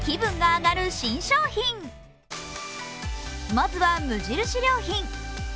まずは、無印良品。